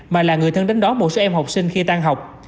mà là người thân đến đó một số em học sinh khi tan học